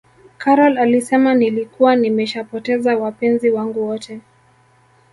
karol alisema nilikuwa nimeshapoteza wapenzi wangu wote